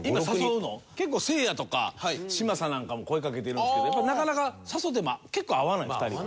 結構せいやとか嶋佐なんかも声かけてるんですけどやっぱなかなか誘っても結構合わない２人は。